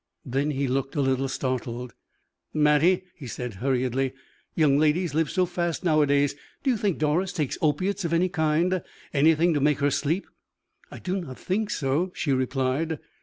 Then he looked a little startled. "Mattie," he said, hurriedly, "young ladies live so fast nowadays; do you think Doris takes opiates of any kind anything to make her sleep?" "I do not think so," she replied.